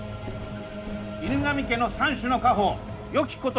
犬神家の三種の家宝「斧」「琴」「菊」は。